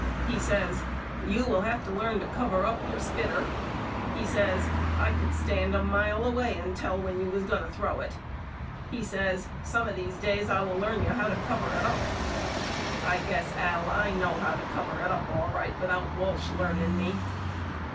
He says You will have to learn to cover up your spitter. He says I could stand a mile away and tell when you was going to throw it. He says Some of these days I will learn you how to cover it up. I guess Al I know how to cover it up all right without Walsh learning me.